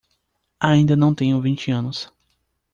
Ainda não tenho vinte anos